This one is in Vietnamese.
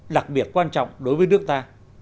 đặc biệt quan trọng đối với nước ta